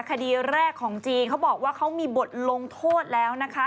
คดีแรกของจีนเขาบอกว่าเขามีบทลงโทษแล้วนะคะ